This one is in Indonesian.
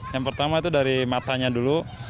yang pertama itu dari matanya dulu